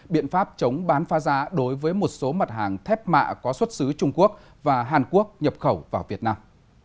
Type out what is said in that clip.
biện pháp chống bán pha giá đối với một số mặt hàng thép mạ có xuất xứ trung quốc và hàn quốc nhập khẩu vào việt nam